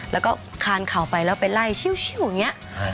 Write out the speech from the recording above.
แล้วก็คานเข่าไปแล้วไปไล่ชิวอย่างนี้